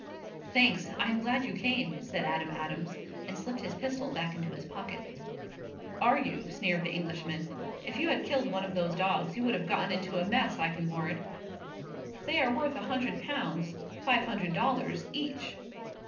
"Thanks! I am glad you came," said Adam Adams, and slipped his pistol back into his pocket. "Are you?" sneered the Englishman. "If you had killed one of those dogs you would have gotten into a mess, I can warrant. They are worth a hundred pounds five hundred dollars each."